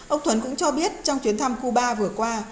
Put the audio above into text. ông thuấn cũng cho biết trong chuyến thăm cuba vừa qua